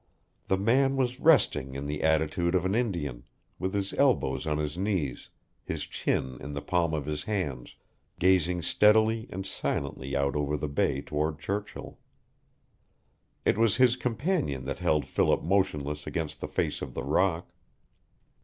The man was resting in the attitude of an Indian, with his elbows on his knees, his chin in the palms of his hands, gazing steadily and silently out over the Bay toward Churchill. It was his companion that held Philip motionless against the face of the rock.